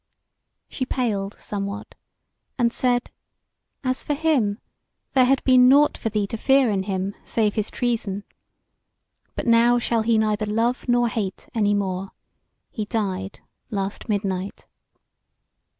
She paled somewhat, and said: "As for him, there had been nought for thee to fear in him, save his treason: but now shall he neither love nor hate any more; he died last midnight."